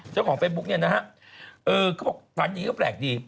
เจ้าของเฟซบุ๊กเนี่ยนะฮะเออเขาบอกฝันอย่างนี้ก็แปลกดี